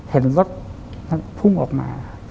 เห็นรถมันพุ่งออกมา